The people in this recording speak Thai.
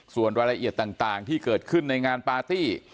ส่วนรายละเอียดต่างที่เกิดขึ้นในงานปาร์ตี้